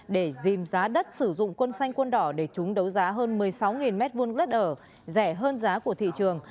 để dìm giá đất sử dụng quân xanh quân đỏ để chúng đấu giá hơn một mươi sáu m hai đất ở rẻ hơn giá của thị trường